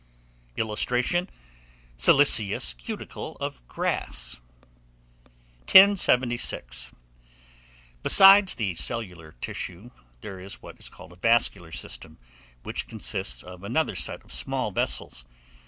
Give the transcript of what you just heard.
] [Illustration: SILICEOUS CUTICLE OF GRASS.] 1076. Besides the cellular tissue, there is what is called a vascular system, which consists of another set of small vessels.